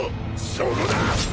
そこだ！